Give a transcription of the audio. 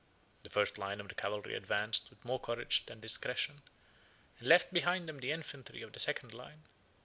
The first line of cavalry advanced with more courage than discretion, and left behind them the infantry of the second line.